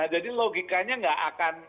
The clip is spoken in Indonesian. jadi logikanya gak akan